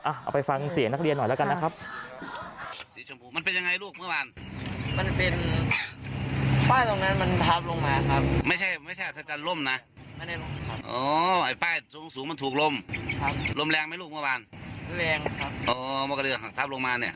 เอาไปฟังเสียงนักเรียนหน่อยแล้วกันนะครับ